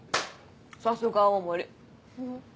さすが青森。